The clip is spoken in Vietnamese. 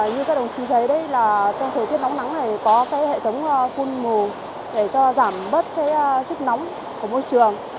như các đồng chí thấy đây là trong thời tiết nóng nắng này có cái hệ thống phun mù để cho giảm bớt cái sức nóng của môi trường